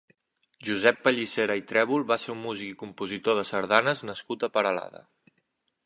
Josep Pallissera i Trèbol va ser un músic i compositor de sardanes nascut a Peralada.